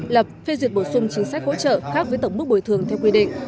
lập phê duyệt bổ sung chính sách hỗ trợ khác với tổng mức bồi thường theo quy định